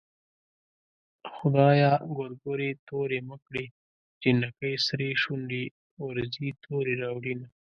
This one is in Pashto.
خدايه ګورګورې تورې مه کړې جنکۍ سرې شونډې ورځي تورې راوړينه